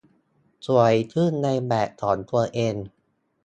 สวยขึ้นในแบบของตัวเอง